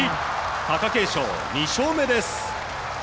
貴景勝、２勝目です！